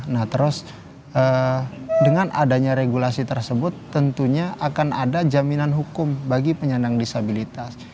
nah terus dengan adanya regulasi tersebut tentunya akan ada jaminan hukum bagi penyandang disabilitas